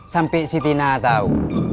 sampai si tina tau